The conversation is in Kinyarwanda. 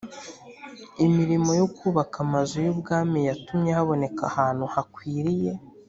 Imirimo yo kubaka Amazu y ‘Ubwami yatumye haboneka ahantu hakwiriye.